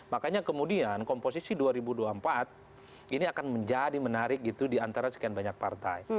makanya kemudian komposisi dua ribu dua puluh empat ini akan menjadi menarik gitu diantara sekian banyak partai